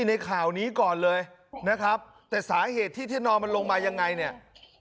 ในข่าวนี้ก่อนเลยนะครับแต่สาเหตุที่ที่นอนมันลงมายังไงเนี่ย